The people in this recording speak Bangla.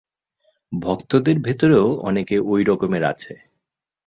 ভক্তদের ভেতরেও অনেকে ঐ রকমের আছে।